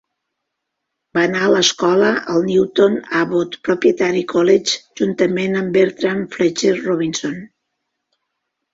Va anar a escola al Newton Abbot Proprietary College juntament amb Bertram Fletcher Robinson.